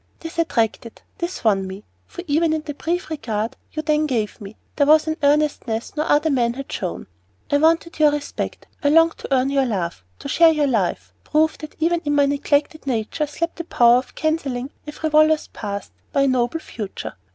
This attracted, this won me; for even in the brief regard you then gave me, there was an earnestness no other man had shown. I wanted your respect; I longed to earn your love, to share your life, and prove that even in my neglected nature slept the power of canceling a frivolous past by a noble future.